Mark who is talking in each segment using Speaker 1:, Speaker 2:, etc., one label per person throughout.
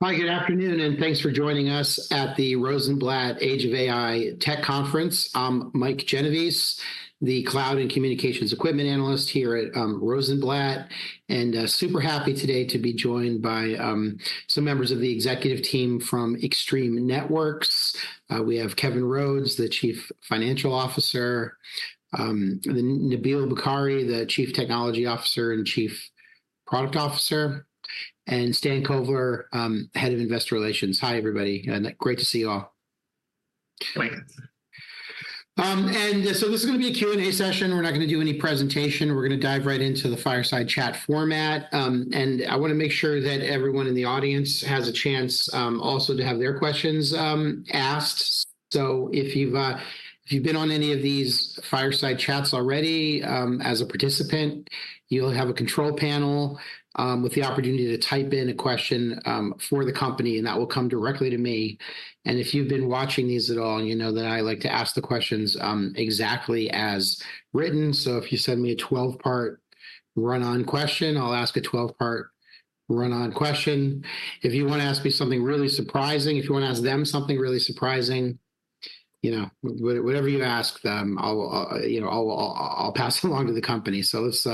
Speaker 1: Hi, good afternoon, and thanks for joining us at the Rosenblatt Age of AI Tech Conference. I'm Mike Genovese, the cloud and communications equipment analyst here at Rosenblatt, and super happy today to be joined by some members of the executive team from Extreme Networks. We have Kevin Rhodes, the Chief Financial Officer, and then Nabil Bukhari, the Chief Technology Officer and Chief Product Officer, and Stan Kovler, Head of Investor Relations. Hi, everybody, and great to see you all.
Speaker 2: Thanks.
Speaker 1: And so this is gonna be a Q&A session. We're not gonna do any presentation. We're gonna dive right into the fireside chat format, and I wanna make sure that everyone in the audience has a chance, also to have their questions asked. So if you've been on any of these fireside chats already, as a participant, you'll have a control panel with the opportunity to type in a question for the company, and that will come directly to me. And if you've been watching these at all, you know that I like to ask the questions exactly as written. So if you send me a 12-part, run-on question, I'll ask a 12-part, run-on question. If you wanna ask me something really surprising, if you wanna ask them something really surprising, you know, whatever you ask them, I'll, you know, I'll pass it along to the company. So let's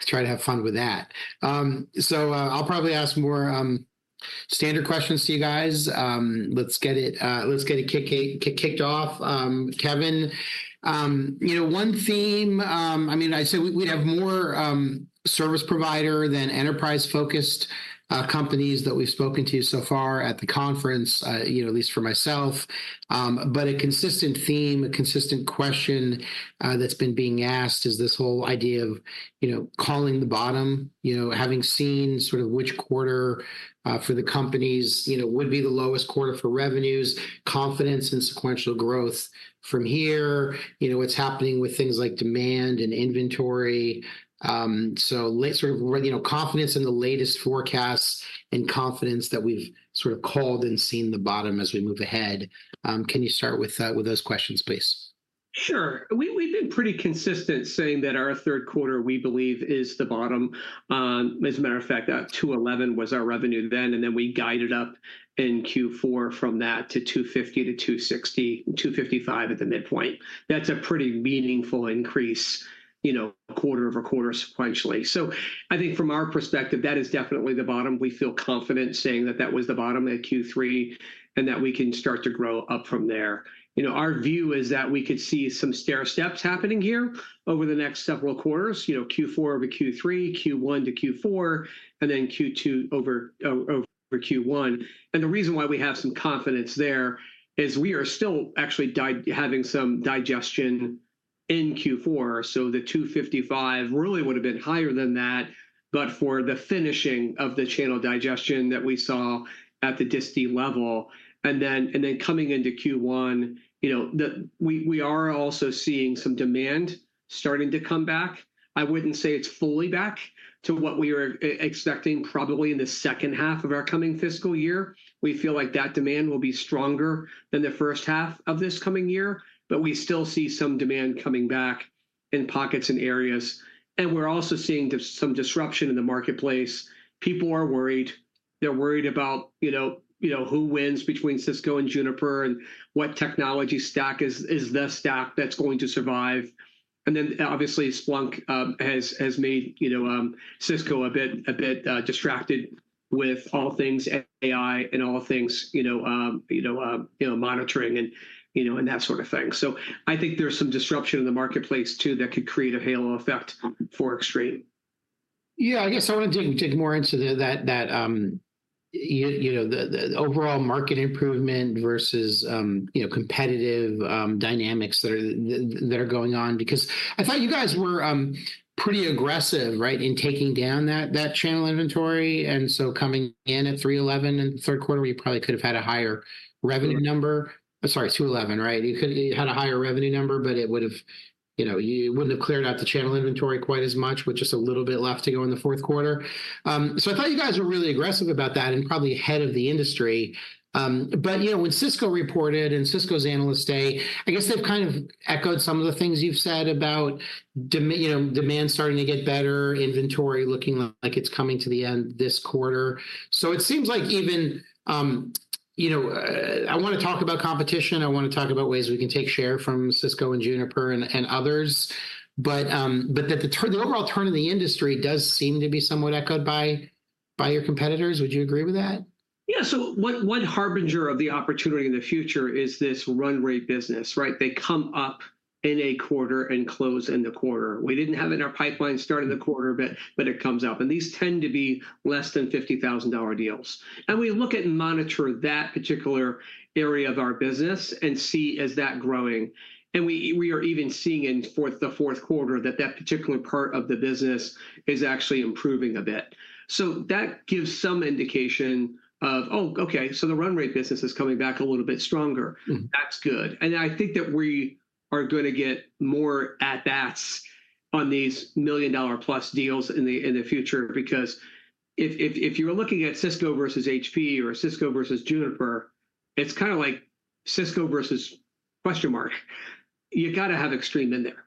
Speaker 1: try to have fun with that. So I'll probably ask more standard questions to you guys. Let's get it kicked off. Kevin, you know, one theme, I mean, I'd say we, we have more service provider than enterprise-focused companies that we've spoken to so far at the conference, you know, at least for myself. But a consistent theme, a consistent question, that's been being asked is this whole idea of, you know, calling the bottom. You know, having seen sort of which quarter for the companies, you know, would be the lowest quarter for revenues, confidence in sequential growth from here. You know, what's happening with things like demand and inventory? So sort of, you know, confidence in the latest forecasts and confidence that we've sort of called and seen the bottom as we move ahead. Can you start with those questions, please?
Speaker 2: Sure. We've been pretty consistent saying that our third quarter, we believe, is the bottom. As a matter of fact, $211 million was our revenue then, and then we guided up in Q4 from that to $250-$260 million, $255 million at the midpoint. That's a pretty meaningful increase, you know, quarter-over-quarter sequentially. So I think from our perspective, that is definitely the bottom. We feel confident saying that that was the bottom at Q3, and that we can start to grow up from there. You know, our view is that we could see some stairsteps happening here over the next several quarters. You know, Q4 over Q3, Q1 to Q4, and then Q2 over Q1. The reason why we have some confidence there is we are still actually having some digestion in Q4. So the $255 really would've been higher than that, but for the finishing of the channel digestion that we saw at the disty level, and then coming into Q1, you know, the... We are also seeing some demand starting to come back. I wouldn't say it's fully back to what we are expecting probably in the second half of our coming fiscal year. We feel like that demand will be stronger than the first half of this coming year, but we still see some demand coming back in pockets and areas, and we're also seeing some disruption in the marketplace. People are worried. They're worried about, you know, you know, who wins between Cisco and Juniper, and what technology stack is the stack that's going to survive. And then, obviously, Splunk has made, you know, Cisco a bit distracted with all things AI and all things, you know, you know, monitoring and, you know, and that sort of thing. So I think there's some disruption in the marketplace, too, that could create a halo effect for Extreme.
Speaker 1: Yeah, I guess I wanna dig more into the, that, you know, the overall market improvement versus, you know, competitive dynamics that are going on. Because I thought you guys were pretty aggressive, right, in taking down that channel inventory. And so coming in at $311 million in the third quarter, you probably could have had a higher revenue number.
Speaker 2: Sure.
Speaker 1: Sorry, $211, right? You could have had a higher revenue number, but it would've you know, you wouldn't have cleared out the channel inventory quite as much, with just a little bit left to go in the fourth quarter. So I thought you guys were really aggressive about that and probably ahead of the industry. But, you know, when Cisco reported, and Cisco's Analyst Day, I guess they've kind of echoed some of the things you've said about you know, demand starting to get better, inventory looking like it's coming to the end this quarter. So it seems like even, you know, I wanna talk about competition. I wanna talk about ways we can take share from Cisco and Juniper and others, but that the turn, the overall turn in the industry does seem to be somewhat echoed by your competitors. Would you agree with that?
Speaker 2: Yeah. So one harbinger of the opportunity in the future is this run rate business, right? They come up in a quarter and close in the quarter. We didn't have it in our pipeline starting the quarter, but it comes up, and these tend to be less than $50,000 deals. And we look at and monitor that particular area of our business and see is that growing, and we are even seeing in the fourth quarter, that that particular part of the business is actually improving a bit. So that gives some indication of, "Oh, okay, so the run rate business is coming back a little bit stronger. That's good." And I think that we are gonna get more at-bats on these million-dollar-plus deals in the future. Because if you're looking at Cisco versus HP or Cisco versus Juniper, it's kind of like Cisco versus question mark.... You gotta have Extreme in there.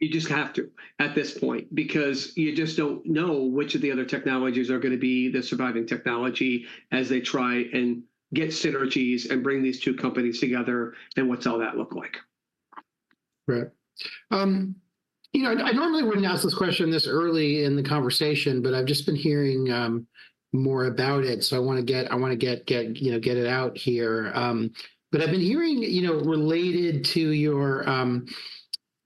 Speaker 2: You just have to at this point, because you just don't know which of the other technologies are gonna be the surviving technology as they try and get synergies and bring these two companies together, and what's all that look like?
Speaker 1: Right. You know, I normally wouldn't ask this question this early in the conversation, but I've just been hearing more about it, so I wanna get it out here. But I've been hearing, you know, related to your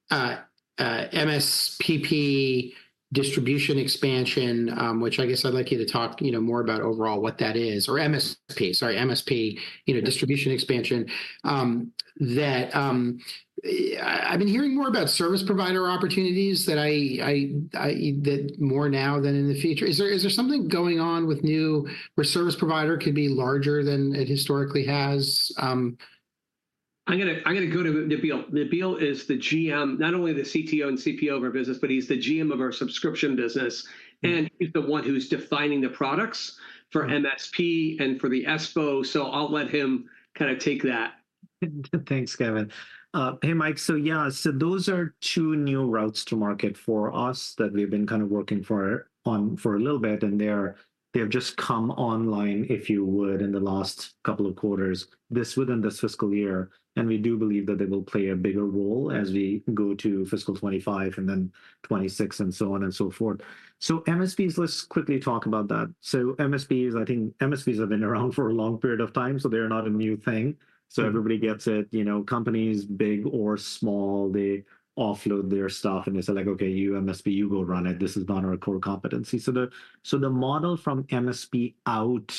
Speaker 1: MSPP distribution expansion, which I guess I'd like you to talk, you know, more about overall what that is, or MSP, sorry, MSP, you know, distribution expansion. That I've been hearing more about service provider opportunities that more now than in the future. Is there something going on with new, where service provider could be larger than it historically has?
Speaker 2: I'm gonna go to Nabil. Nabil is the GM, not only the CTO and CPO of our business, but he's the GM of our subscription business. He's the one who's defining the products for MSP and for the SP, so I'll let him kinda take that.
Speaker 3: Thanks, Kevin. Hey, Mike. So yeah, so those are two new routes to market for us, that we've been kind of working for, on for a little bit, and they're... They've just come online, if you would, in the last couple of quarters, this within this fiscal year, and we do believe that they will play a bigger role as we go to fiscal 2025 and then 2026, and so on and so forth. So MSPs, let's quickly talk about that. So MSPs, I think MSPs have been around for a long period of time, so they're not a new thing. So everybody gets it, you know, companies, big or small, they offload their stuff, and they say like, "Okay, you MSP, you go run it. This is not our core competency." So the model from MSP out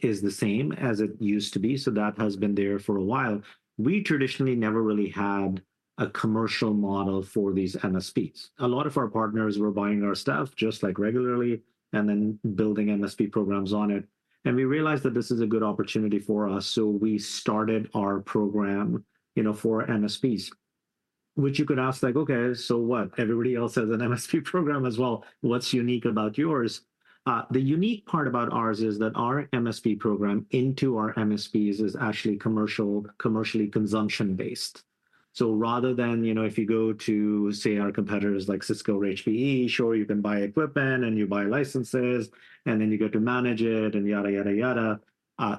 Speaker 3: is the same as it used to be, so that has been there for a while. We traditionally never really had a commercial model for these MSPs. A lot of our partners were buying our stuff just like regularly and then building MSP programs on it, and we realized that this is a good opportunity for us, so we started our program, you know, for MSPs. Which you could ask, like: Okay, so what? Everybody else has an MSP program as well. What's unique about yours? The unique part about ours is that our MSP program into our MSPs is actually commercially consumption-based. So rather than, you know, if you go to, say, our competitors, like Cisco or HPE, sure, you can buy equipment, and you buy licenses, and then you go to manage it, and yada, yada, yada.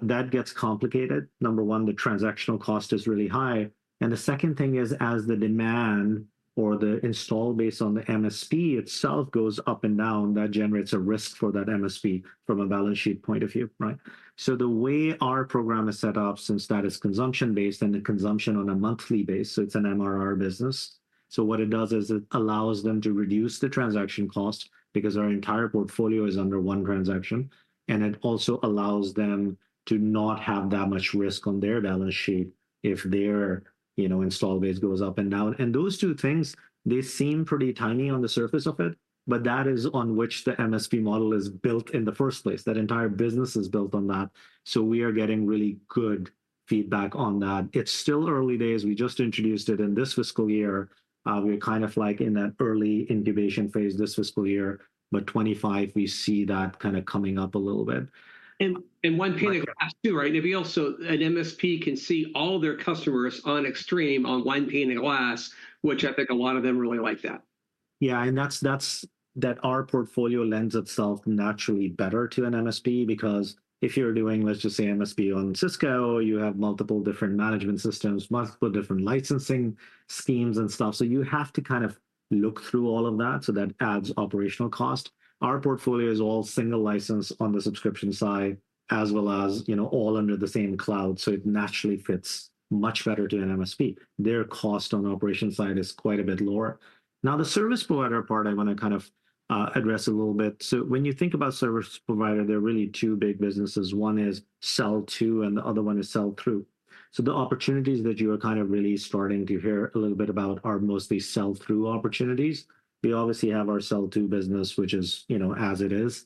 Speaker 3: That gets complicated. Number one, the transactional cost is really high, and the second thing is, as the demand or the install base on the MSP itself goes up and down, that generates a risk for that MSP from a balance sheet point of view, right? So the way our program is set up, since that is consumption-based and the consumption on a monthly basis, so it's an MRR business. So what it does is it allows them to reduce the transaction cost because our entire portfolio is under one transaction, and it also allows them to not have that much risk on their balance sheet if their, you know, install base goes up and down. And those two things, they seem pretty tiny on the surface of it, but that is on which the MSP model is built in the first place. That entire business is built on that. So we are getting really good feedback on that. It's still early days. We just introduced it in this fiscal year. We're kind of, like, in that early incubation phase this fiscal year, but 2025, we see that kinda coming up a little bit.
Speaker 2: And one pane of glass too, right, Nabil? So an MSP can see all their customers on Extreme on one pane of glass, which I think a lot of them really like that.
Speaker 3: Yeah, and that's that our portfolio lends itself naturally better to an MSP because if you're doing, let's just say, MSP on Cisco, you have multiple different management systems, multiple different licensing schemes and stuff. So you have to kind of look through all of that, so that adds operational cost. Our portfolio is all single license on the subscription side, as well as, you know, all under the same cloud, so it naturally fits much better to an MSP. Their cost on the operation side is quite a bit lower. Now, the service provider part, I wanna kind of address a little bit. So when you think about service provider, there are really two big businesses. One is sell to, and the other one is sell through. So the opportunities that you are kind of really starting to hear a little bit about are mostly sell-through opportunities. We obviously have our sell-to business, which is, you know, as it is.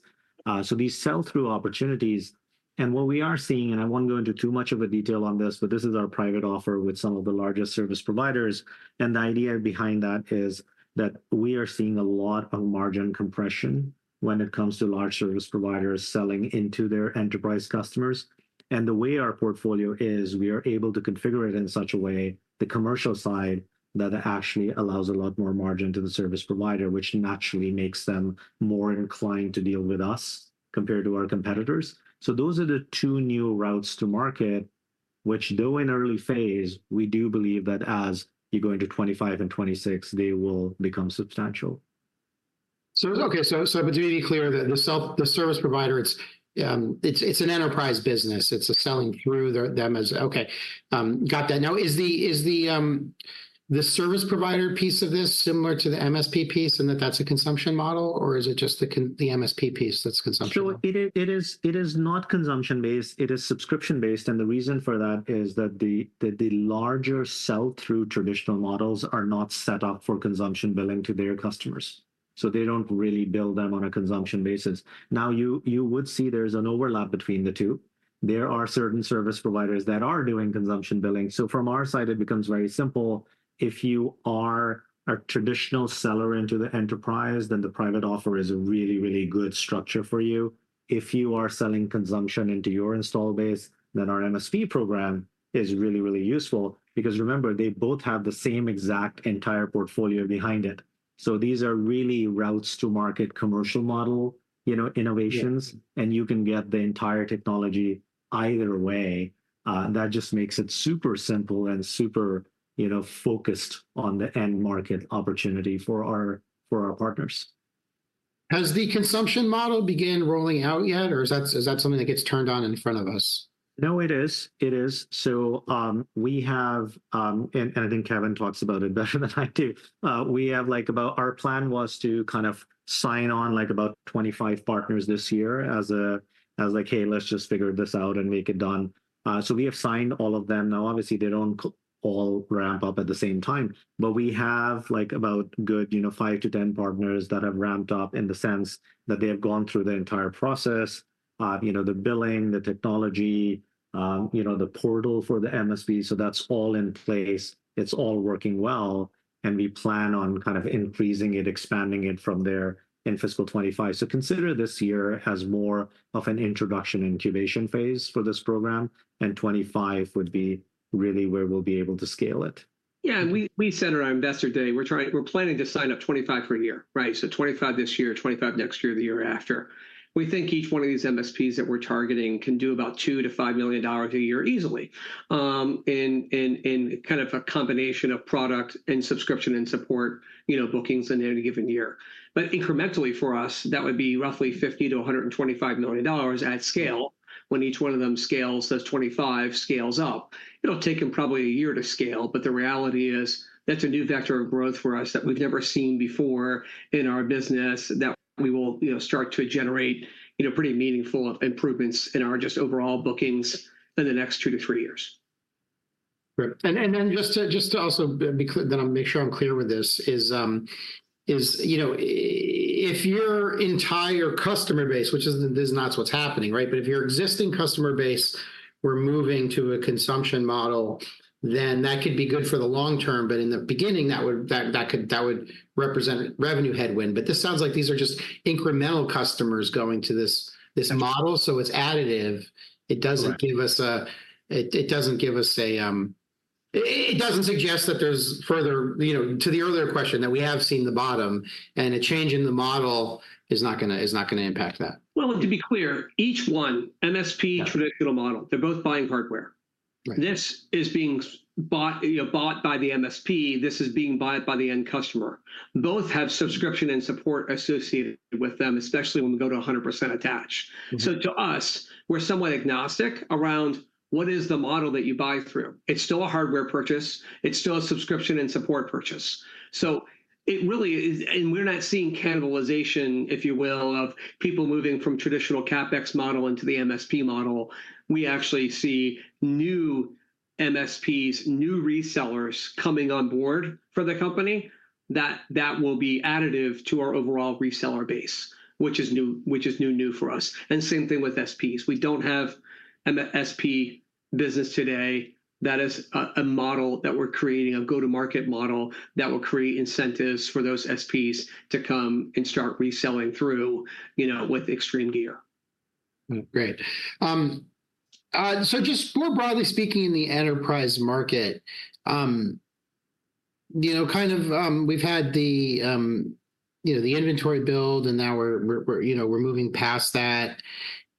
Speaker 3: So these sell-through opportunities... And what we are seeing, and I won't go into too much of the detail on this, but this is our private offer with some of the largest service providers, and the idea behind that is that we are seeing a lot of margin compression when it comes to large service providers selling into their enterprise customers. And the way our portfolio is, we are able to configure it in such a way, the commercial side, that it actually allows a lot more margin to the service provider, which naturally makes them more inclined to deal with us compared to our competitors. So those are the two new routes to market, which, though in early phase, we do believe that as you go into 2025 and 2026, they will become substantial.
Speaker 1: Okay, to be clear, the service provider, it's an enterprise business. It's selling through them as... Okay, got that. Now, is the service provider piece of this similar to the MSP piece, and that's a consumption model, or is it just the MSP piece that's consumption model?
Speaker 3: Sure. It is not consumption-based, it is subscription-based, and the reason for that is that the larger sell-through traditional models are not set up for consumption billing to their customers. So they don't really bill them on a consumption basis. Now, you would see there's an overlap between the two. There are certain service providers that are doing consumption billing. So from our side, it becomes very simple. If you are a traditional seller into the enterprise, then the private offer is a really, really good structure for you. If you are selling consumption into your install base, then our MSP program is really, really useful because, remember, they both have the same exact entire portfolio behind it. So these are really routes to market commercial model, you know, innovations.
Speaker 1: Yeah.
Speaker 3: You can get the entire technology either way. That just makes it super simple and super, you know, focused on the end market opportunity for our, for our partners.
Speaker 1: Has the consumption model began rolling out yet, or is that, is that something that gets turned on in front of us?
Speaker 3: No, it is. It is. So, we have, and I think Kevin talks about it better than I do. We have, like, about our plan was to kind of sign on, like, about 25 partners this year as a, as like, "Hey, let's just figure this out and make it done." So we have signed all of them. Now, obviously, they don't all ramp up at the same time. But we have, like, about good, you know, five to 10 partners that have ramped up in the sense that they have gone through the entire process, you know, the billing, the technology, you know, the portal for the MSP. So that's all in place. It's all working well, and we plan on kind of increasing it, expanding it from there in fiscal 2025. So consider this year as more of an introduction incubation phase for this program, and 2025 would be really where we'll be able to scale it.
Speaker 2: Yeah, and we said on our Investor Day, we're trying, we're planning to sign up 25 per year, right? So 25 this year, 25 next year, the year after. We think each one of these MSPs that we're targeting can do about $2 million-$5 million a year easily, in kind of a combination of product and subscription and support, you know, bookings in any given year. But incrementally for us, that would be roughly $50 million-$125 million at scale. When each one of them scales, those 25 scales up. It'll take 'em probably a year to scale, but the reality is, that's a new vector of growth for us that we've never seen before in our business, that we will, you know, start to generate, you know, pretty meaningful improvements in our just overall bookings in the next 2-3 years.
Speaker 1: Great. And then just to also be clear, I'll make sure I'm clear with this. You know, if your entire customer base, which—this is not what's happening, right? But if your existing customer base were moving to a consumption model, then that could be good for the long term, but in the beginning, that would... that, that could—that would represent revenue headwind. But this sounds like these are just incremental customers going to this model—
Speaker 2: Absolutely...
Speaker 1: so it's additive.
Speaker 2: Correct.
Speaker 1: It doesn't suggest that there's further, you know, to the earlier question, that we have seen the bottom, and a change in the model is not gonna impact that.
Speaker 2: Well, to be clear, each one, MSP-
Speaker 1: Yeah...
Speaker 2: traditional model, they're both buying hardware.
Speaker 1: Right.
Speaker 2: This is being bought, you know, bought by the MSP. This is being bought by the end customer. Both have subscription and support associated with them, especially when we go to 100% attach. So to us, we're somewhat agnostic around what is the model that you buy through. It's still a hardware purchase. It's still a subscription and support purchase. So it really is, and we're not seeing cannibalization, if you will, of people moving from traditional CapEx model into the MSP model. We actually see new MSPs, new resellers, coming on board for the company that will be additive to our overall reseller base, which is new for us. And same thing with SPs. We don't have an SP business today. That is a model that we're creating, a go-to-market model that will create incentives for those SPs to come and start reselling through, you know, with Extreme year.
Speaker 1: Great. So just more broadly speaking, in the enterprise market, you know, kind of, we've had the, you know, the inventory build, and now we're, you know, we're moving past that.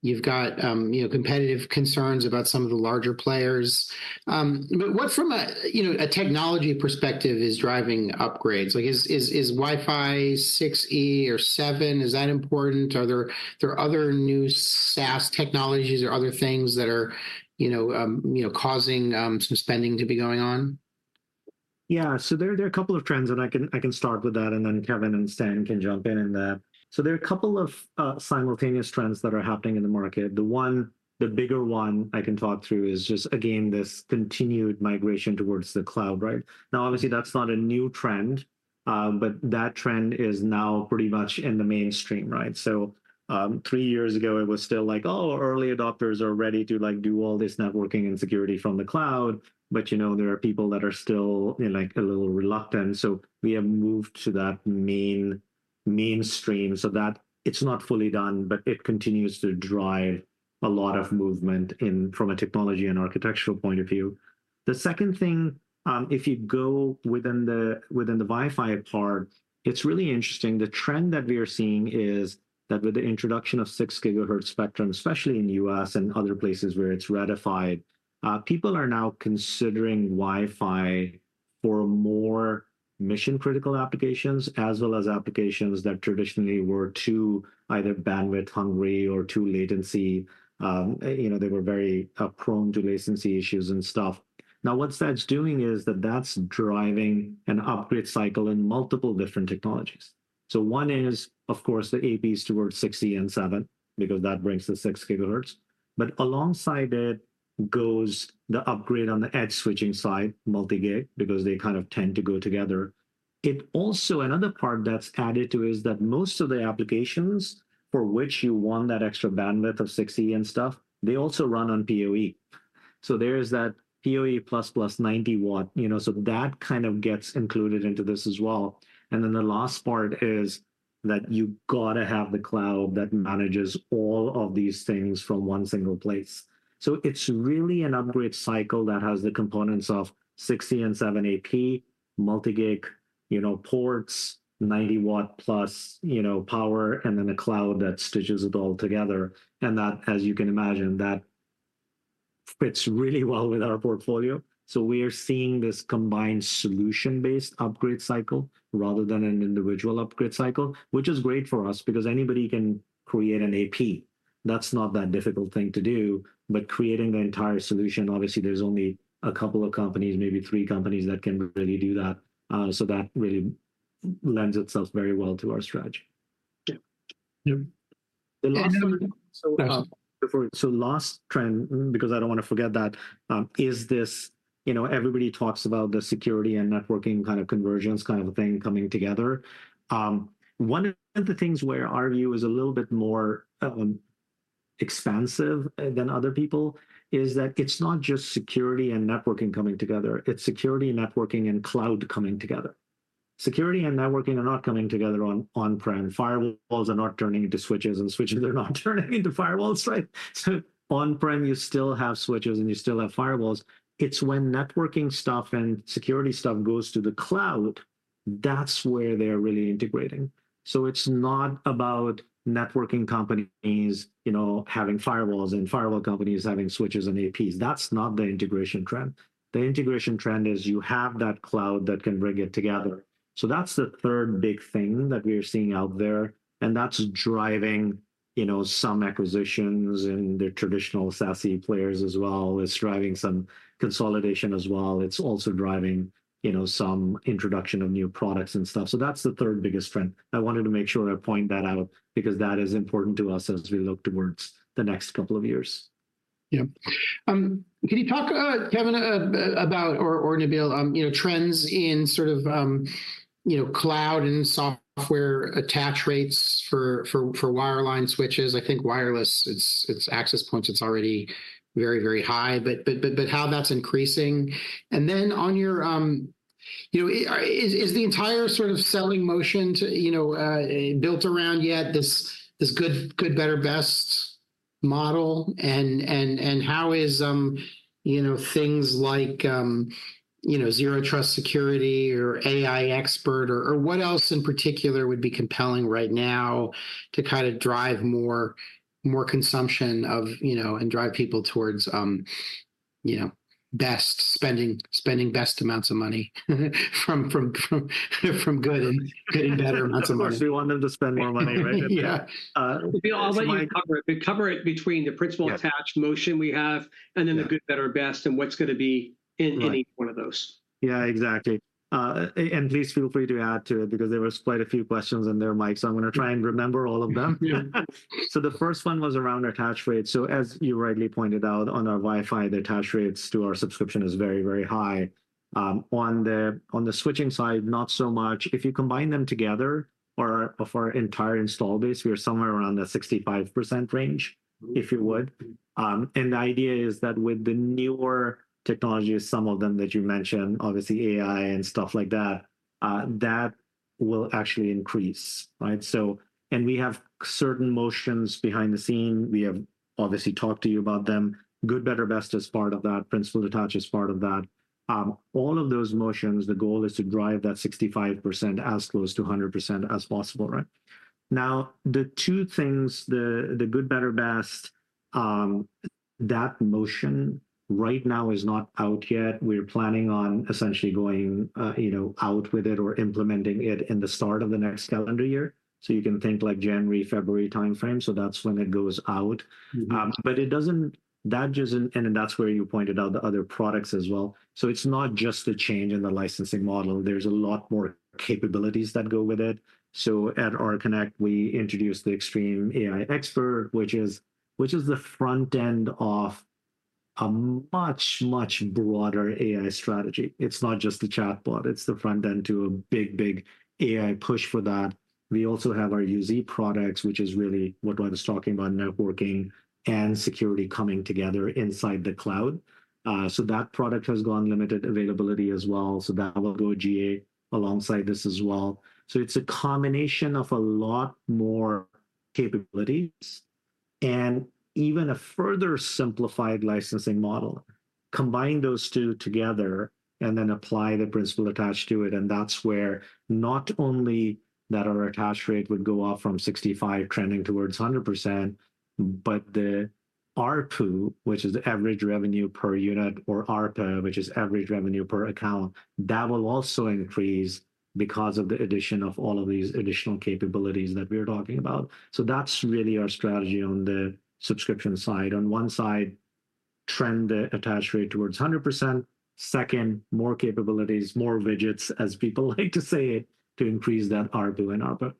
Speaker 1: You've got, you know, competitive concerns about some of the larger players. But what from a, you know, a technology perspective is driving upgrades? Like, is Wi-Fi 6E or 7, is that important? Are there other new SaaS technologies or other things that are, you know, you know, causing some spending to be going on?
Speaker 3: Yeah, so there, there are a couple of trends, and I can, I can start with that, and then Kevin and Stan can jump in in there. So there are a couple of simultaneous trends that are happening in the market. The one- the bigger one I can talk through is just, again, this continued migration towards the cloud, right? Now, obviously, that's not a new trend, but that trend is now pretty much in the mainstream, right? So, three years ago, it was still like, "Oh, early adopters are ready to, like, do all this networking and security from the cloud," but, you know, there are people that are still, you know, like, a little reluctant. So we have moved to that mainstream, so that it's not fully done, but it continues to drive a lot of movement in from a technology and architectural point of view. The second thing, if you go within the Wi-Fi part, it's really interesting. The trend that we are seeing is that with the introduction of 6 GHz spectrum, especially in the U.S. and other places where it's ratified, people are now considering Wi-Fi for more mission-critical applications, as well as applications that traditionally were too either bandwidth-hungry or too latency. You know, they were very, prone to latency issues and stuff. Now, what that's doing is that that's driving an upgrade cycle in multiple different technologies. So one is, of course, the APs towards Wi-Fi 6E and Wi-Fi 7 because that brings the 6 GHz. Alongside it goes the upgrade on the edge switching side, Multi-Gig, because they kind of tend to go together. It also. Another part that's added to is that most of the applications for which you want that extra bandwidth of 6E and stuff, they also run on PoE. So there is that PoE++ 90-watt, you know, so that kind of gets included into this as well. And then the last part is that you've gotta have the cloud that manages all of these things from one single place. So it's really an upgrade cycle that has the components of 6 and 7 AP, Multi-Gig, you know, ports, 90-watt+, you know, power, and then a cloud that stitches it all together. And that, as you can imagine, fits really well with our portfolio. So we are seeing this combined solution-based upgrade cycle rather than an individual upgrade cycle, which is great for us because anybody can create an AP. That's not that difficult thing to do, but creating the entire solution, obviously, there's only a couple of companies, maybe three companies, that can really do that. So that really lends itself very well to our strategy.
Speaker 1: Yeah. Yep.
Speaker 3: The last-
Speaker 1: And so,
Speaker 3: So last trend, because I don't wanna forget that, is this, you know, everybody talks about the security and networking kind of a thing coming together. One of the things where our view is a little bit more expansive than other people is that it's not just security and networking coming together, it's security, networking, and cloud coming together. Security and networking are not coming together on on-prem. Firewalls are not turning into switches, and switches are not turning into firewalls, right? So on-prem, you still have switches, and you still have firewalls. It's when networking stuff and security stuff goes to the cloud, that's where they're really integrating. So it's not about networking companies, you know, having firewalls and firewall companies having switches and APs. That's not the integration trend. The integration trend is you have that cloud that can bring it together. So that's the third big thing that we are seeing out there, and that's driving, you know, some acquisitions in the traditional SASE players as well. It's driving some consolidation as well. It's also driving, you know, some introduction of new products and stuff. So that's the third biggest trend. I wanted to make sure to point that out because that is important to us as we look towards the next couple of years.
Speaker 1: Yeah. Can you talk, Kevin, about... or Nabil, you know, trends in sort of, you know, cloud and software attach rates for wireline switches? I think wireless, it's access points, it's already very high, but how that's increasing. And then on your, you know, is the entire sort of selling motion to, you know, built around yet this good, better, best model? And how is, you know, things like, you know, zero trust security, or AI expert, or what else in particular would be compelling right now to kinda drive more consumption of, you know, and drive people towards, you know, best spending best amounts of money? From good and getting better amounts of money.
Speaker 3: Of course, we want them to spend more money, right?
Speaker 1: Yeah.
Speaker 3: So Mike-
Speaker 1: I'll let you cover it, but cover it between the principal-
Speaker 3: Yeah...
Speaker 1: attached motion we have, and then-
Speaker 3: Yeah...
Speaker 1: the good, better, best, and what's gonna be in-
Speaker 3: Right...
Speaker 1: any one of those.
Speaker 3: Yeah, exactly. And please feel free to add to it because there was quite a few questions in there, Mike, so I'm gonna try and remember all of them.
Speaker 1: Yeah.
Speaker 3: So the first one was around attach rate. So as you rightly pointed out on our Wi-Fi, the attach rates to our subscription is very, very high. On the, on the switching side, not so much. If you combine them together or of our entire install base, we are somewhere around the 65% range, if you would. And the idea is that with the newer technologies, some of them that you mentioned, obviously AI and stuff like that, that will actually increase, right? So and we have certain motions behind the scene. We have obviously talked to you about them. Good, better, best is part of that. Principal attach is part of that. All of those motions, the goal is to drive that 65% as close to 100% as possible, right? Now, the two things, the good, better, best, that motion right now is not out yet. We're planning on essentially going, you know, out with it or implementing it in the start of the next calendar year. So you can think like January, February timeframe. So that's when it goes out. But it doesn't... That doesn't, and that's where you pointed out the other products as well. So it's not just the change in the licensing model, there's a lot more capabilities that go with it. So at Extreme Connect, we introduced the Extreme AI Expert, which is, which is the front end of a much, much broader AI strategy. It's not just the chatbot, it's the front end to a big, big AI push for that. We also have our Universal ZTNA products, which is really what I was talking about, networking and security coming together inside the cloud. So that product has gone limited availability as well, so that will go GA alongside this as well. So it's a combination of a lot more capabilities and even a further simplified licensing model. Combine those two together and then apply the principal attach to it, and that's where not only that our attach rate would go up from 65 trending towards 100%, but the ARPU, which is the Average Revenue Per Unit, or ARPA, which is Average Revenue Per Account, that will also increase because of the addition of all of these additional capabilities that we're talking about. So that's really our strategy on the subscription side. On one side, trend the attach rate towards 100%. Second, more capabilities, more widgets, as people like to say, to increase that ARPU and ARPA.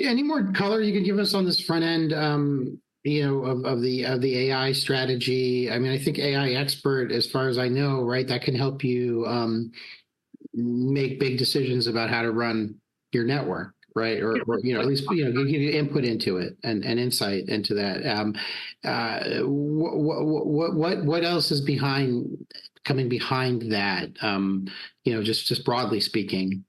Speaker 1: Any more color you can give us on this front end, you know, of the AI strategy? I mean, I think AI Expert, as far as I know, right, that can help you....
Speaker 2: make big decisions about how to run your network, right?
Speaker 3: Yeah.
Speaker 2: Or, you know, at least, you know, give you input into it and insight into that. What else is behind, coming behind that, you know, just broadly speaking.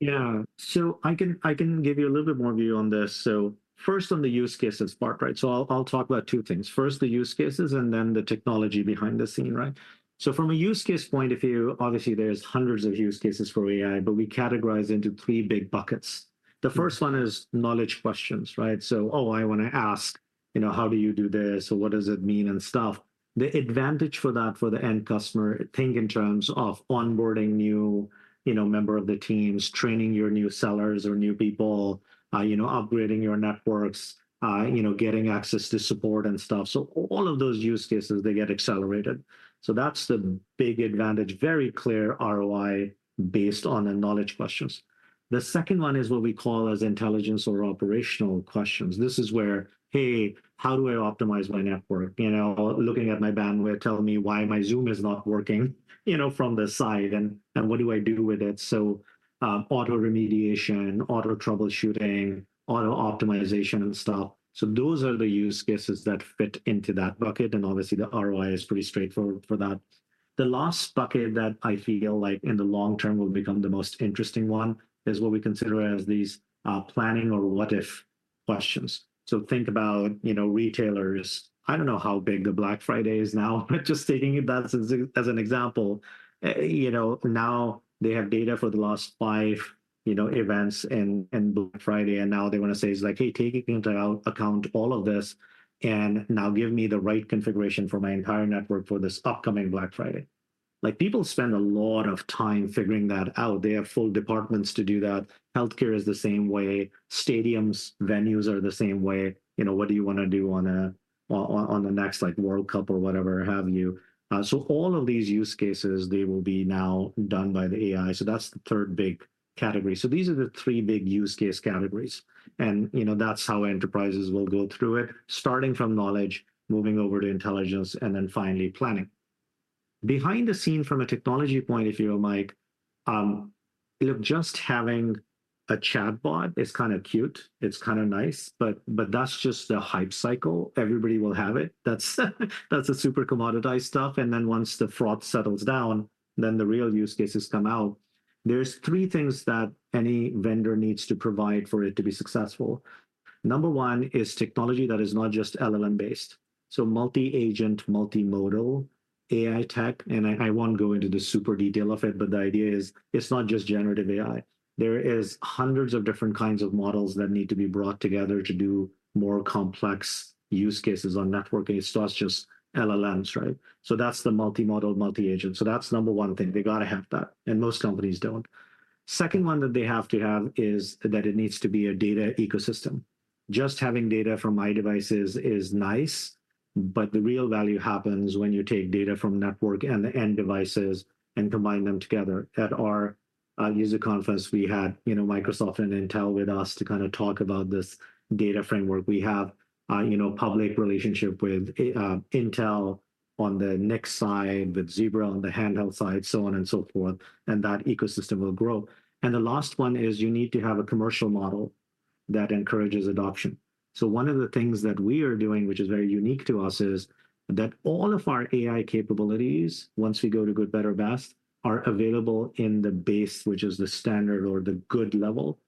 Speaker 3: Yeah. So I can, I can give you a little bit more view on this. So first, on the use cases part, right? So I'll, I'll talk about two things. First, the use cases, and then the technology behind the scene, right? So from a use case point of view, obviously, there's hundreds of use cases for AI, but we categorize into three big buckets. The first one is knowledge questions, right? So, oh, I wanna ask, you know, how do you do this, or what does it mean, and stuff. The advantage for that for the end customer, think in terms of onboarding new, you know, member of the teams, training your new sellers or new people, you know, upgrading your networks, you know, getting access to support and stuff. So all of those use cases, they get accelerated. So that's the big advantage, very clear ROI based on the knowledge questions. The second one is what we call as intelligence or operational questions. This is where, hey, how do I optimize my network? You know, looking at my bandwidth, telling me why my Zoom is not working, you know, from the side, and, and what do I do with it? So, auto remediation, auto troubleshooting, auto optimization and stuff. So those are the use cases that fit into that bucket, and obviously, the ROI is pretty straightforward for that. The last bucket that I feel like in the long term will become the most interesting one, is what we consider as these, planning or what if questions. So think about, you know, retailers. I don't know how big the Black Friday is now, just taking it as an example. You know, now they have data for the last five, you know, events and Black Friday, and now they wanna say it's like, "Hey, take into account all of this, and now give me the right configuration for my entire network for this upcoming Black Friday." Like, people spend a lot of time figuring that out. They have full departments to do that. Healthcare is the same way. Stadiums, venues are the same way. You know, what do you wanna do on the next, like, World Cup or whatever have you? So all of these use cases, they will be now done by the AI, so that's the third big category. So these are the three big use case categories, and, you know, that's how enterprises will go through it, starting from knowledge, moving over to intelligence, and then finally, planning. Behind the scene from a technology point of view, Mike, look, just having a chatbot is kinda cute, it's kinda nice, but, but that's just the hype cycle. Everybody will have it. That's, that's the super commoditized stuff, and then once the froth settles down, then the real use cases come out. There's three things that any vendor needs to provide for it to be successful. Number one is technology that is not just LLM-based, so multi-agent, multi-modal AI tech. And I, I won't go into the super detail of it, but the idea is, it's not just generative AI. There is hundreds of different kinds of models that need to be brought together to do more complex use cases on networking. So it's just LLMs, right? So that's the multi-model, multi-agent. So that's number one thing. They gotta have that, and most companies don't. Second one that they have to have is that it needs to be a data ecosystem. Just having data from my devices is nice, but the real value happens when you take data from network and the end devices and combine them together. At our user conference, we had, you know, Microsoft and Intel with us to kinda talk about this data framework. We have, you know, public relationship with Intel on the NUC side, with Zebra on the handheld side, so on and so forth, and that ecosystem will grow. The last one is you need to have a commercial model that encourages adoption. One of the things that we are doing, which is very unique to us, is that all of our AI capabilities, once we go to good, better, best, are available in the base, which is the standard or the good level.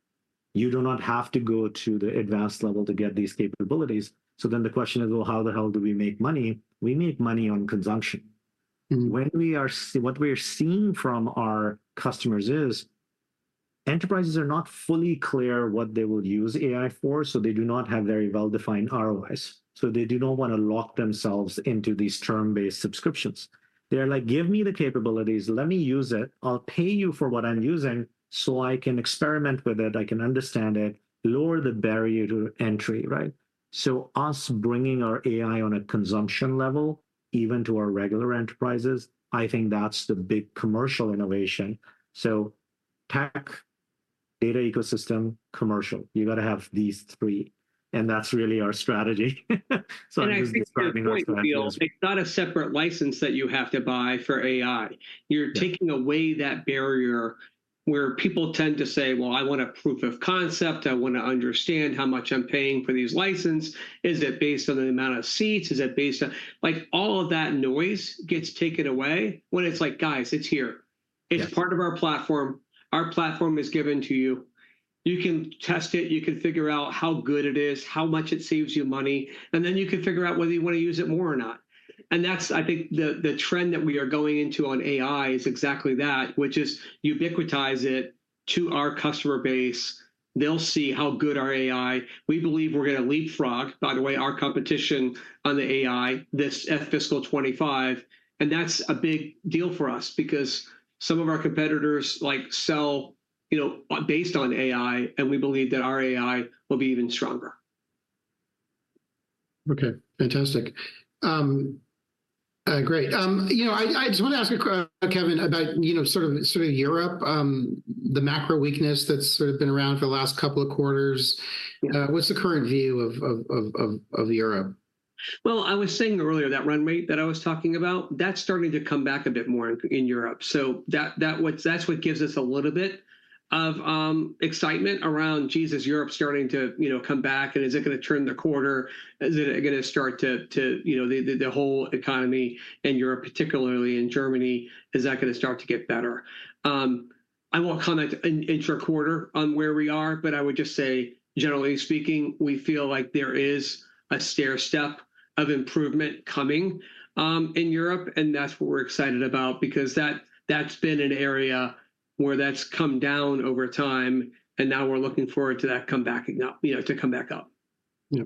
Speaker 3: You do not have to go to the advanced level to get these capabilities. Then the question is, "Well, how the hell do we make money?" We make money on consumption. What we are seeing from our customers is, enterprises are not fully clear what they will use AI for, so they do not have very well-defined ROIs. So they do not wanna lock themselves into these term-based subscriptions. They're like: Give me the capabilities. Let me use it. I'll pay you for what I'm using so I can experiment with it, I can understand it. Lower the barrier to entry, right? So us bringing our AI on a consumption level, even to our regular enterprises, I think that's the big commercial innovation. So PaaS, data ecosystem, commercial, you gotta have these three, and that's really our strategy. So I think it's-
Speaker 2: I think the point, Nabil-...
Speaker 3: it's gonna be-
Speaker 2: It's not a separate license that you have to buy for AI.
Speaker 3: Yeah.
Speaker 2: You're taking away that barrier where people tend to say, "Well, I want a proof of concept. I wanna understand how much I'm paying for this license. Is it based on the amount of seats? Is it based on..." Like, all of that noise gets taken away when it's like, "Guys, it's here.
Speaker 3: Yeah.
Speaker 2: It's part of our platform. Our platform is given to you. You can test it. You can figure out how good it is, how much it saves you money, and then you can figure out whether you wanna use it more or not." And that's, I think, the trend that we are going into on AI is exactly that, which is ubiquitize it to our customer base. They'll see how good our AI... We believe we're gonna leapfrog, by the way, our competition on the AI, this fiscal '25, and that's a big deal for us. Because some of our competitors, like, sell, you know, based on AI, and we believe that our AI will be even stronger.
Speaker 1: Okay, fantastic. Great. You know, I just wanna ask Kevin about, you know, sort of Europe, the macro weakness that's sort of been around for the last couple of quarters.
Speaker 3: Yeah.
Speaker 1: What's the current view of Europe?
Speaker 2: Well, I was saying earlier, that run rate that I was talking about, that's starting to come back a bit more in Europe. So that's what's what gives us a little bit of excitement around, "Geez, is Europe starting to, you know, come back, and is it gonna turn the quarter? Is it gonna start to, you know, the whole economy in Europe, particularly in Germany, is that gonna start to get better?" I won't comment intraquarter on where we are, but I would just say, generally speaking, we feel like there is a stairstep of improvement coming in Europe, and that's what we're excited about. Because that's been an area where that's come down over time, and now we're looking forward to that come back and not, you know, to come back up.
Speaker 1: Yeah.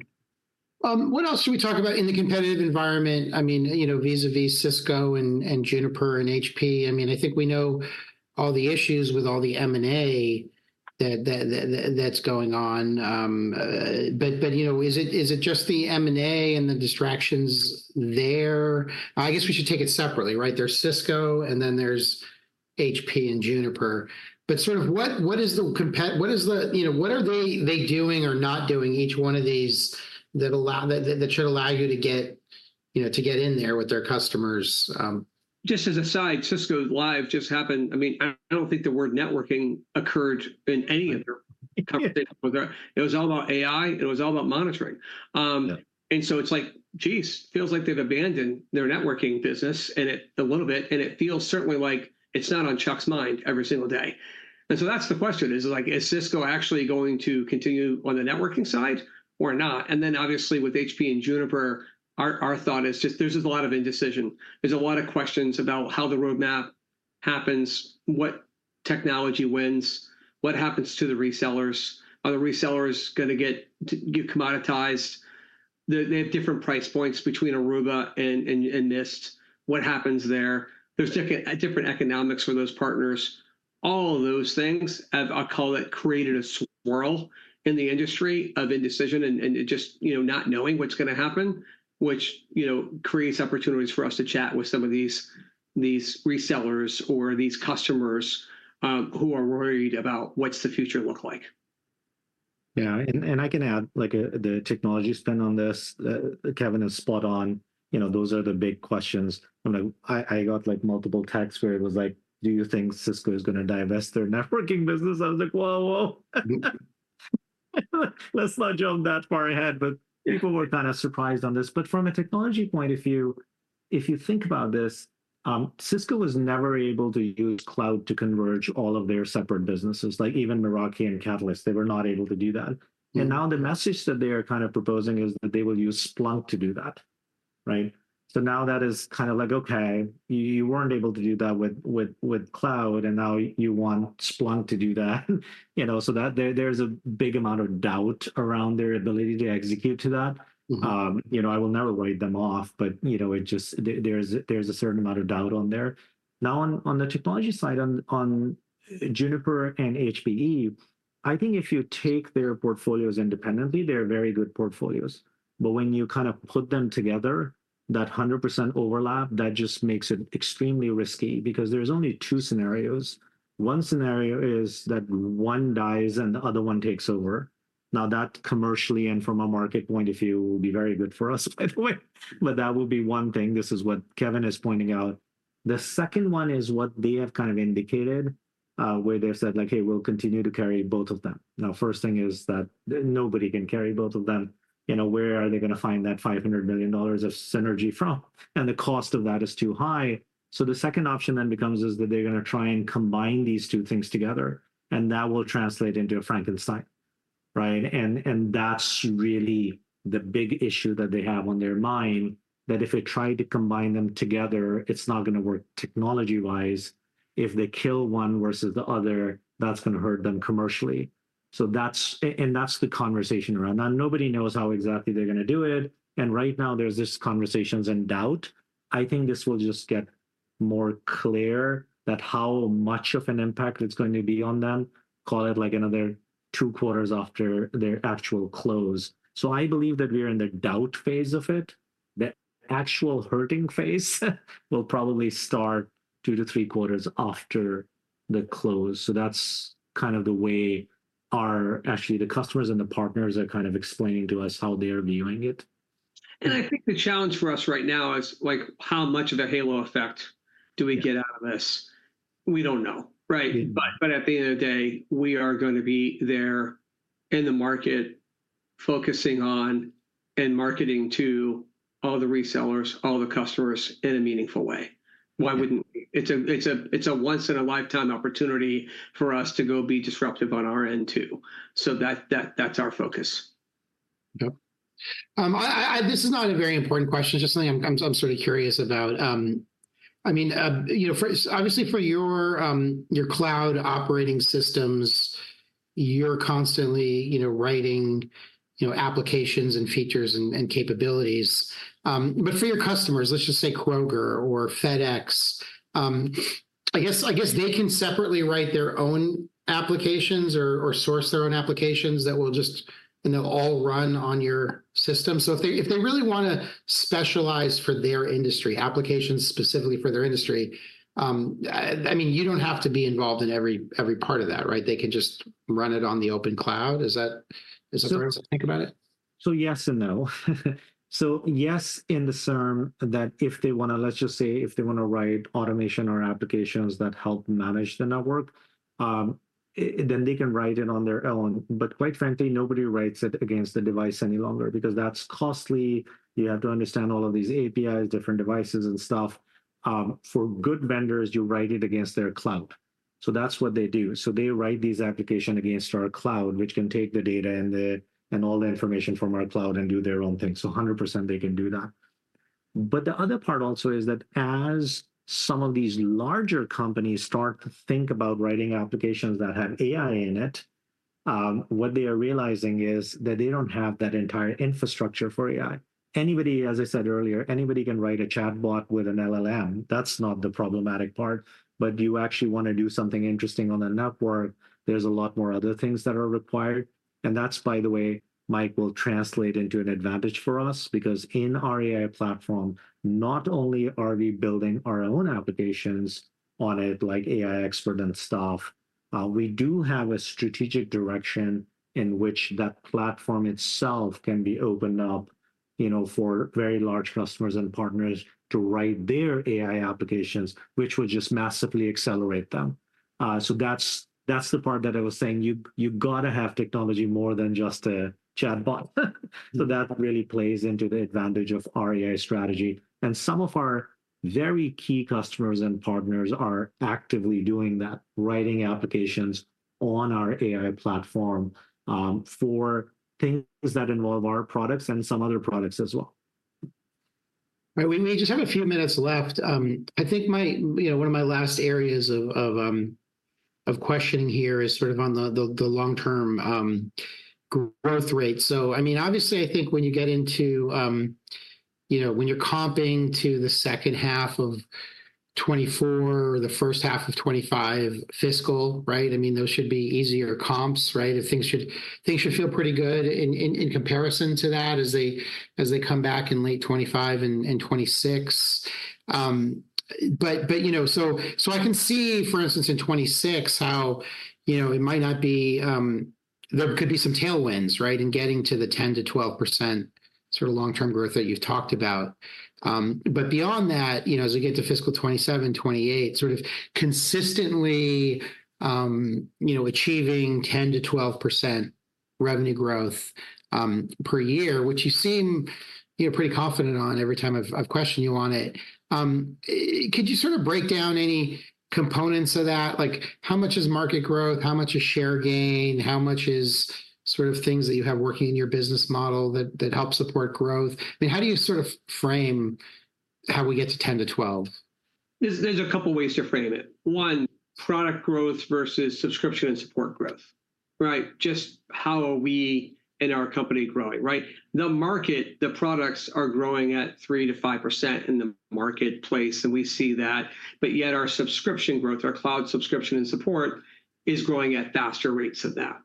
Speaker 1: What else should we talk about in the competitive environment? I mean, you know, vis-a-vis Cisco and Juniper and HP. I mean, I think we know all the issues with all the M&A that's going on. But, you know, is it just the M&A and the distractions there? I guess we should take it separately, right? There's Cisco, and then there's HP and Juniper. But sort of what is the compet- what is the... You know, what are they doing or not doing, each one of these, that should allow you to get, you know, to get in there with their customers?
Speaker 2: Just as a side, Cisco Live just happened. I mean, I don't think the word networking occurred in any of their conversations with their-
Speaker 1: Yeah.
Speaker 2: It was all about AI, and it was all about monitoring.
Speaker 1: Yeah...
Speaker 2: and so it's like, geez, feels like they've abandoned their networking business, and it, a little bit, and it feels certainly like it's not on Chuck's mind every single day. And so that's the question, is like, is Cisco actually going to continue on the networking side or not? And then, obviously, with HPE and Juniper, our thought is just there's a lot of indecision. There's a lot of questions about how the roadmap happens, what technology wins, what happens to the resellers. Are the resellers gonna get get commoditized? They have different price points between Aruba and, and Mist. What happens there?
Speaker 1: Yeah.
Speaker 2: There's different economics for those partners. All of those things have, I'll call it, created a swirl in the industry of indecision, and it just, you know, not knowing what's gonna happen, which, you know, creates opportunities for us to chat with some of these resellers or these customers, who are worried about what's the future look like.
Speaker 3: Yeah, and I can add, like, the technology spin on this. Kevin is spot on. You know, those are the big questions. When I got, like, multiple texts where it was like, "Do you think Cisco is gonna divest their networking business?" I was like, "Well, whoa! Let's not jump that far ahead.
Speaker 2: Yeah.
Speaker 3: But people were kinda surprised on this. But from a technology point of view, if you think about this, Cisco was never able to use cloud to converge all of their separate businesses. Like, even Meraki and Catalyst, they were not able to do that. Now the message that they are kind of proposing is that they will use Splunk to do that, right? So now that is kinda like, okay, you weren't able to do that with cloud, and now you want Splunk to do that? You know, so there's a big amount of doubt around their ability to execute to that. You know, I will never write them off, but, you know, it just... There is, there's a certain amount of doubt on there. Now, on the technology side, on Juniper and HPE, I think if you take their portfolios independently, they're very good portfolios. But when you kinda put them together, that 100% overlap, that just makes it extremely risky because there's only two scenarios. One scenario is that one dies, and the other one takes over. Now, that commercially and from a market point of view, will be very good for us, by the way. But that would be one thing. This is what Kevin is pointing out. The second one is what they have kind of indicated, where they've said, like, "Hey, we'll continue to carry both of them." Now, first thing is that nobody can carry both of them. You know, where are they gonna find that $500 million of synergy from? And the cost of that is too high. So the second option then becomes is that they're gonna try and combine these two things together, and that will translate into a Frankenstein, right? And that's really the big issue that they have on their mind, that if they try to combine them together, it's not gonna work technology-wise. If they kill one versus the other, that's gonna hurt them commercially. So that's... and that's the conversation around that. Nobody knows how exactly they're gonna do it, and right now there's just conversations and doubt. I think this will just get more clear that how much of an impact it's going to be on them, call it, like, another two quarters after their actual close. So I believe that we're in the doubt phase of it. The actual hurting phase will probably start 2-3 quarters after the close. So that's kind of the way. Actually, the customers and the partners are kind of explaining to us how they're viewing it.
Speaker 2: And I think the challenge for us right now is, like, how much of a halo effect do we get-
Speaker 3: Yeah...
Speaker 2: out of this? We don't know, right? But at the end of the day, we are gonna be there in the market, focusing on and marketing to all the resellers, all the customers in a meaningful way.
Speaker 3: Yeah.
Speaker 2: Why wouldn't we? It's a once-in-a-lifetime opportunity for us to go be disruptive on our end, too. So that's our focus.
Speaker 1: Yep. This is not a very important question, just something I'm sort of curious about. I mean, you know, for obviously for your cloud operating systems, you're constantly, you know, writing, you know, applications and features and, and capabilities. But for your customers, let's just say Kroger or FedEx, I guess, I guess they can separately write their own applications or, or source their own applications that will just, you know, all run on your system. So if they, if they really wanna specialize for their industry, applications specifically for their industry, I mean, you don't have to be involved in every, every part of that, right? They can just run it on the open cloud. Is that-
Speaker 2: So-...
Speaker 1: is that right to think about it?...
Speaker 3: So yes and no. So yes, in the term, that if they wanna, let's just say, if they wanna write automation or applications that help manage the network, then they can write it on their own. But quite frankly, nobody writes it against the device any longer because that's costly. You have to understand all of these APIs, different devices, and stuff. For good vendors, you write it against their cloud. So that's what they do. So they write these application against our cloud, which can take the data and the, and all the information from our cloud and do their own thing. So 100% they can do that. But the other part also is that as some of these larger companies start to think about writing applications that have AI in it, what they are realizing is that they don't have that entire infrastructure for AI. Anybody, as I said earlier, anybody can write a chatbot with an LLM. That's not the problematic part. But do you actually wanna do something interesting on the network? There's a lot more other things that are required, and that's, by the way, Mike, will translate into an advantage for us. Because in our AI platform, not only are we building our own applications on it, like AI Expert and stuff, we do have a strategic direction in which that platform itself can be opened up, you know, for very large customers and partners to write their AI applications, which would just massively accelerate them. So that's, that's the part that I was saying, you, you've gotta have technology more than just a chatbot. So that really plays into the advantage of our AI strategy, and some of our very key customers and partners are actively doing that, writing applications on our AI platform, for things that involve our products and some other products as well.
Speaker 1: Right, we may just have a few minutes left. I think my, you know, one of my last areas of questioning here is sort of on the long-term growth rate. So I mean, obviously, I think when you get into, you know, when you're comping to the second half of 2024 or the first half of 2025 fiscal, right? I mean, those should be easier comps, right? And things should feel pretty good in comparison to that as they come back in late 2025 and 2026. But you know, so I can see, for instance, in 2026, how, you know, it might not be... There could be some tailwinds, right, in getting to the 10%-12% sort of long-term growth that you've talked about. But beyond that, you know, as we get to fiscal 2027, 2028, sort of consistently, you know, achieving 10%-12% revenue growth per year, which you seem, you know, pretty confident on every time I've questioned you on it. Could you sort of break down any components of that? Like, how much is market growth? How much is share gain? How much is sort of things that you have working in your business model that help support growth? I mean, how do you sort of frame how we get to 10%-12%?
Speaker 2: There's a couple ways to frame it. One, product growth versus subscription and support growth, right? Just how are we in our company growing, right? The market, the products are growing at 3%-5% in the marketplace, and we see that. But yet our subscription growth, our cloud subscription and support, is growing at faster rates than that.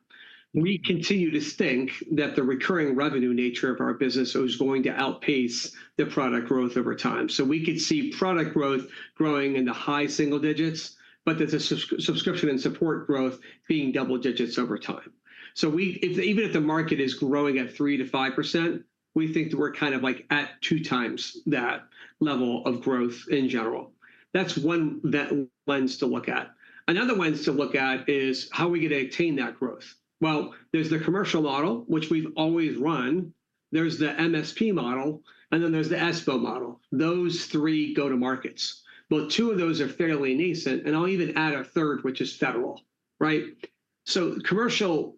Speaker 2: We continue to think that the recurring revenue nature of our business is going to outpace the product growth over time. So we could see product growth growing in the high single digits, but there's a subscription and support growth being double digits over time. So, even if the market is growing at 3%-5%, we think that we're kind of, like, at 2 times that level of growth in general. That's one, that lens to look at. Another lens to look at is how are we gonna attain that growth? Well, there's the commercial model, which we've always run, there's the MSP model, and then there's the SP model. Those three go-to markets. But two of those are fairly nascent, and I'll even add a third, which is federal, right? So commercial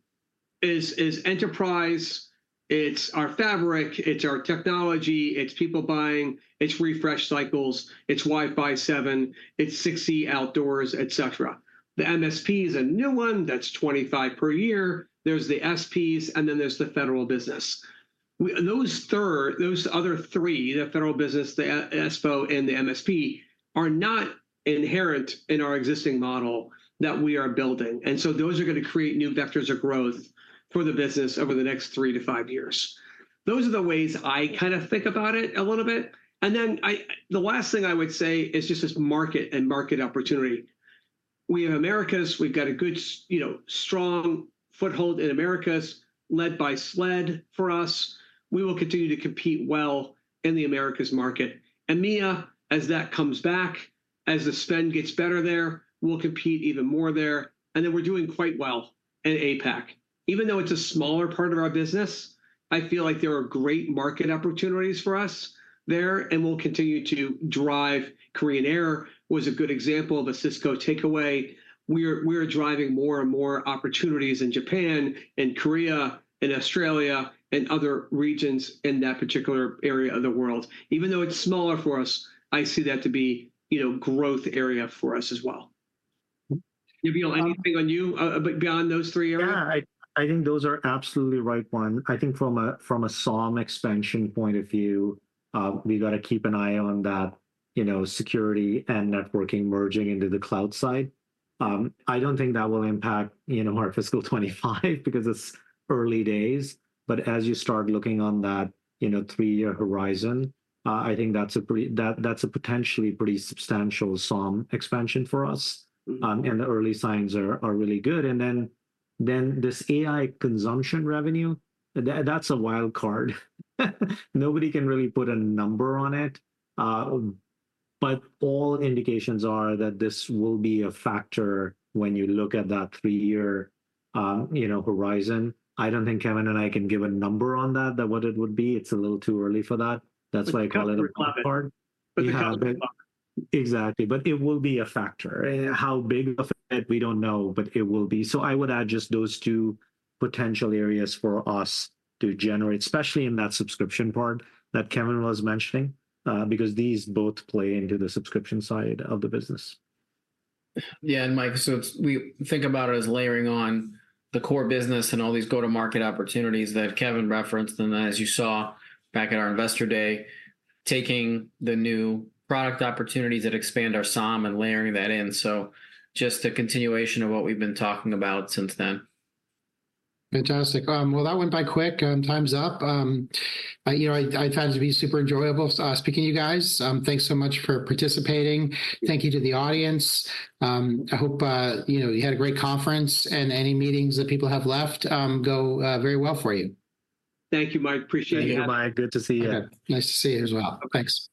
Speaker 2: is enterprise, it's our fabric, it's our technology, it's people buying, it's refresh cycles, it's Wi-Fi 7, it's 6E outdoors, et cetera. The MSP is a new one. That's 25 per year. There's the SPs, and then there's the federal business. Those third, those other three, the federal business, the SP, and the MSP, are not inherent in our existing model that we are building, and so those are gonna create new vectors of growth for the business over the next three to five years. Those are the ways I kind of think about it a little bit. And then the last thing I would say is just this market and market opportunity. We have Americas. We've got a good you know, strong foothold in Americas, led by SLED for us. We will continue to compete well in the Americas market. EMEA, as that comes back, as the spend gets better there, we'll compete even more there. And then we're doing quite well in APAC. Even though it's a smaller part of our business, I feel like there are great market opportunities for us there, and we'll continue to drive. Korean Air was a good example of a Cisco takeaway. We're driving more and more opportunities in Japan, in Korea, in Australia, and other regions in that particular area of the world. Even though it's smaller for us, I see that to be, you know, growth area for us as well. Nabil, anything on you beyond those three areas?
Speaker 3: Yeah, I think those are absolutely right on. I think from a SOM expansion point of view, we've gotta keep an eye on that, you know, security and networking merging into the cloud side. I don't think that will impact, you know, our fiscal 2025 because it's early days. But as you start looking on that, you know, three-year horizon, I think that's a pretty... That, that's a potentially pretty substantial SOM expansion for us. And the early signs are really good. And then this AI consumption revenue, that's a wild card. Nobody can really put a number on it. But all indications are that this will be a factor when you look at that three-year, you know, horizon. I don't think Kevin and I can give a number on that, what it would be. It's a little too early for that. That's why I call it a wild card.
Speaker 2: But the-
Speaker 3: Exactly. But it will be a factor. How big of a factor, we don't know, but it will be. So I would add just those two potential areas for us to generate, especially in that subscription part that Kevin was mentioning, because these both play into the subscription side of the business.
Speaker 4: Yeah, and Mike, so it's. We think about it as layering on the core business and all these go-to-market opportunities that Kevin referenced, and as you saw back at our Investor Day, taking the new product opportunities that expand our SOM and layering that in. Just a continuation of what we've been talking about since then.
Speaker 1: Fantastic. Well, that went by quick, time's up. You know, I found it to be super enjoyable, speaking to you guys. Thanks so much for participating. Thank you to the audience. I hope, you know, you had a great conference, and any meetings that people have left, go very well for you.
Speaker 2: Thank you, Mike. Appreciate it.
Speaker 4: Thank you, Mike. Good to see you.
Speaker 1: Okay. Nice to see you as well. Thanks.